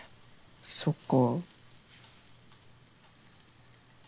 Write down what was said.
そっか。